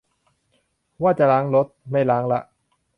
ว่าจะล้างรถ ไม่ล้างละ